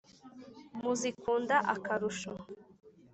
Muzikunda akarusho.